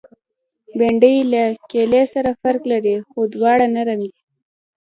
بېنډۍ له کیلې سره فرق لري، خو دواړه نرم دي